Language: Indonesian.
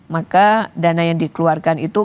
maka dana yang dikeluarkan itu